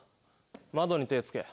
窓に手つけ。